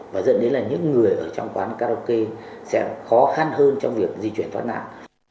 và dẫn đến là những người ở trong quán karaoke sẽ khó khăn hơn trong việc di chuyển thoát nạn